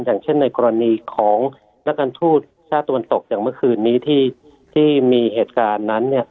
อย่างเช่นในกรณีของนักการทูตชาติตะวันตกอย่างเมื่อคืนนี้ที่มีเหตุการณ์นั้น